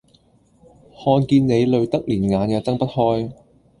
看見你累得連眼也睜不開